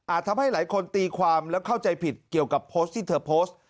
ทำให้หลายคนตีความและเข้าใจผิดเกี่ยวกับโพสต์ที่เธอโพสต์